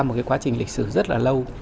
một quá trình lịch sử rất là lâu